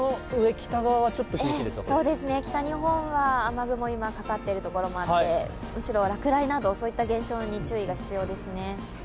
北日本は雨雲、今かかっている所もあって、むしろ落雷など、そういった現象に注意が必要ですね。